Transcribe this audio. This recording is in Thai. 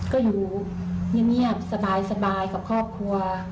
ก็อยู่เงียบสบายกับครอบครัว